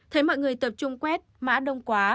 thấy mọi người tập trung quét mã đông quá